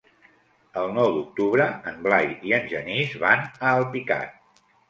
El nou d'octubre en Blai i en Genís van a Alpicat.